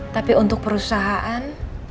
tapi untuk perusahaan